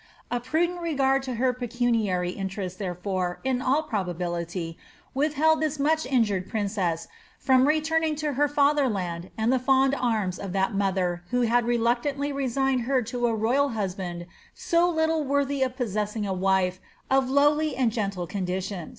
* A prudent regard to her pecuniary interests, therefore, in all probability, withheld this much injured princess from returning to her father land and the fond arms of that mother who had reluctantly resigned her to a royal husband so little worthy of possessing a wife of ^^ lowly and gentle conditions.''